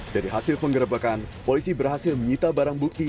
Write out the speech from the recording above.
dari hasil penggerebekan polisi berhasil menyita barang bukti